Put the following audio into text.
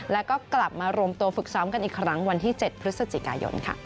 แล้วก็กลับมารวมตัวฝึกซ้อมกันอีกครั้งวันที่๗พฤศจิกายน